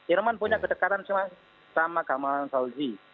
irman punya kedekatan sama gamalan fauzi